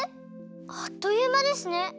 あっというまですね。